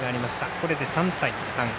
これで３対３。